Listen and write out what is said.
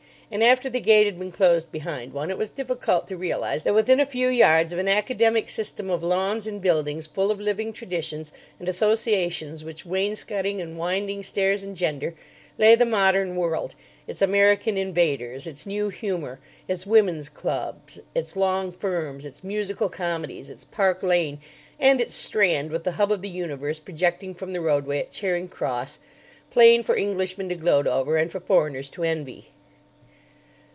And after the gate had been closed behind one, it was difficult to realise that within a few yards of an academic system of lawns and buildings full of living traditions and associations which wainscoting and winding stairs engender, lay the modern world, its American invaders, its new humour, its women's clubs, its long firms, its musical comedies, its Park Lane, and its Strand with the hub of the universe projecting from the roadway at Charing Cross, plain for Englishmen to gloat over and for foreigners to envy.